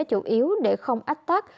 chủ yếu để không ách tắc